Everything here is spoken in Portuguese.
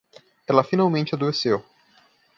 Ela finalmente adoeceu